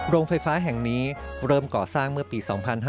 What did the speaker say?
โรงไฟฟ้าแห่งนี้เริ่มก่อสร้างเมื่อปี๒๕๕๙